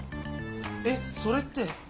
えっそれって。